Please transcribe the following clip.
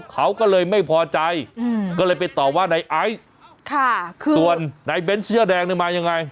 เขาก็เลยไม่พอใจก็เลยไปตอบว่าในไอซ์ส่วนนายเบ้นเสื้อแดงนี่มายังไง